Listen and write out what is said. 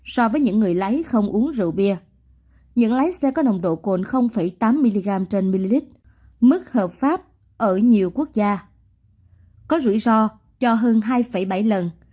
so với những người lái không uống rượu bia những lái xe có nồng độ cồn tám mg trên ml mức hợp pháp ở nhiều quốc gia có rủi ro cho hơn hai bảy lần